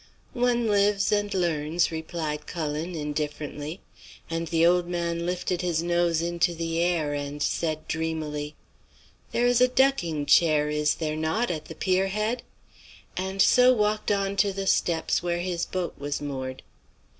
"'One lives and learns,' replied Cullen, indifferently; and the old man lifted his nose into the air and said dreamily: "'There is a ducking chair, is there not, at the pier head?' and so walked on to the steps where his boat was moored.